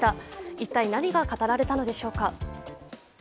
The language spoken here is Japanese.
一体何が語られたのでしょうか。